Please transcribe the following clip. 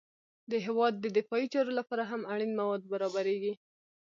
د هېواد د دفاعي چارو لپاره هم اړین مواد برابریږي